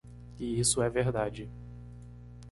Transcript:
E isso é verdade.